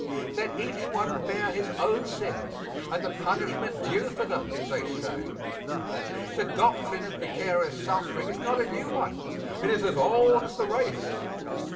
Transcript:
Let each one bear his own sins and the punishments due for them, they say. The doctrine of vicarious suffering is not a new one; it is as old as the race.